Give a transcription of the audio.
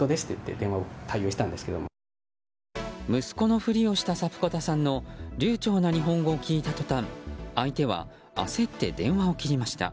息子のふりをしたサプコタさんの流ちょうな日本語を聞いた途端相手は焦って電話を切りました。